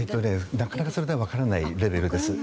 なかなかそれではわからないレベルです。